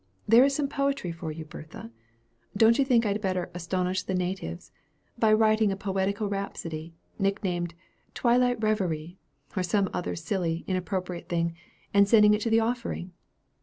There is some poetry for you, Bertha. Don't you think I'd better 'astonish the natives,' by writing a poetical rhapsody, nicknamed 'Twilight Reverie,' or some other silly, inappropriate thing, and sending it to the 'Offering?'